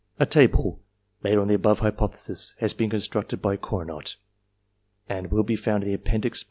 A table, made on the above hypothesis, has been con structed by Cournot, and will be found in the Appendix, p.